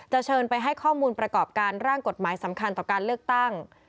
เชิญไปให้ข้อมูลประกอบการร่างกฎหมายสำคัญต่อการเลือกตั้ง